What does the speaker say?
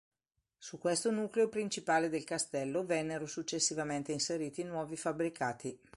Su questo nucleo principale del castello vennero successivamente inseriti nuovi fabbricati.